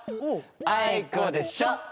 あいこでしょ！